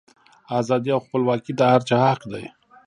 ازادي او خپلواکي د هر چا حق دی.